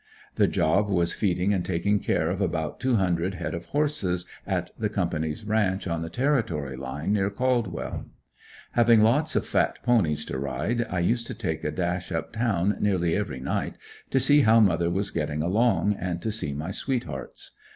The job was feeding and taking care of about two hundred head of horses, at the company's ranch on the Territory line, near Caldwell. Having lots of fat ponies to ride, I used to take a dash up town nearly every night to see how mother was getting along and to see my sweethearts.